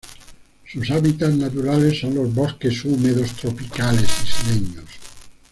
Sus hábitats naturales son los bosques húmedos tropicales isleños.